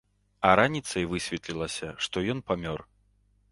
А раніцай высветлілася, што ён памёр.